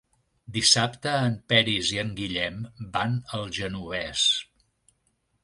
Dissabte en Peris i en Guillem van al Genovés.